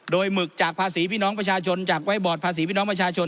โดยหมึกจากภาษีพี่น้องประชาชนจากไว้บอร์ดภาษีพี่น้องประชาชน